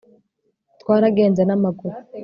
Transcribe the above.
Twaragenze namaguru